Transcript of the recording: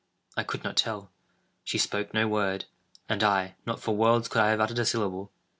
I could not tell. She spoke no word; and I—not for worlds could I have uttered a syllable.